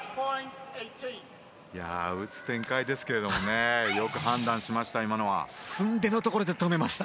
打つ展開ですけどもよく判断しました。